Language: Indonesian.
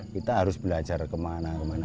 kita harus belajar kemana kemana